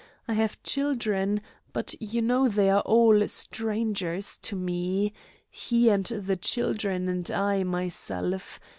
I have children, but you know they are all strangers to me he and the children and I myself.